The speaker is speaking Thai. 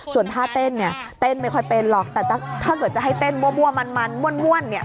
ส่วนท่าเต้นเนี่ยเต้นไม่ค่อยเป็นหรอกแต่ถ้าเกิดจะให้เต้นมั่วมันม่วนเนี่ย